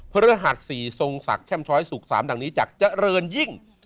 พระราศรีซงศักดิ์แช่มชอยศูกร์๓ดังนี้จากเจริญยิ่ง